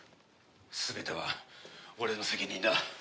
全ては俺の責任だ。